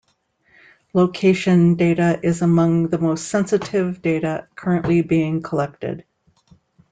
Location data is among the most sensitive data currently being collected.